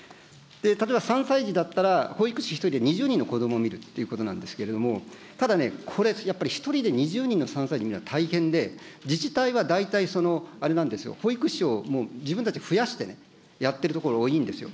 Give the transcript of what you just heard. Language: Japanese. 例えば、３歳児だったら、保育士１人で２０人の子どもを見るということなんですけど、ただね、これ、１人で２０人の３歳児見るのは大変で、自治体は大体あれなんですよ、保育士をもう自分たちで増やしてね、やっているところ多いんですよ。